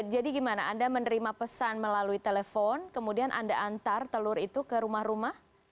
jadi bagaimana anda menerima pesan melalui telepon kemudian anda antar telur itu ke rumah rumah